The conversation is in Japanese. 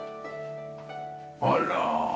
あら！